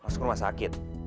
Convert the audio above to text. masuk rumah sakit